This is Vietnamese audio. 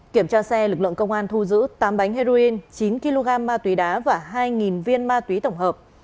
kiểm tra xe lực lượng công an thu giữ tám bánh heroin chín kg ma túy đá và hai viên ma túy tổng hợp